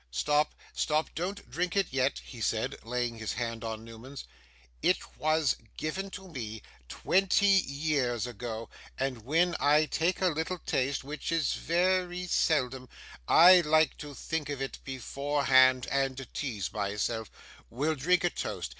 'Stop, stop; don't drink it yet,' he said, laying his hand on Newman's; 'it was given to me, twenty years ago, and when I take a little taste, which is ve ry seldom, I like to think of it beforehand, and tease myself. We'll drink a toast.